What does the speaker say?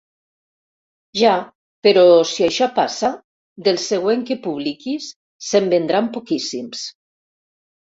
Ja, però si això passa, del següent que publiquis se'n vendran poquíssims.